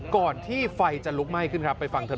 ก่อนที่ไฟจะลุกไหม้ขึ้นครับไปฟังเธอ